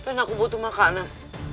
dan aku butuh makanan